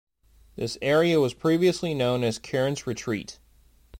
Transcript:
This area was previously known as Kearns Retreat.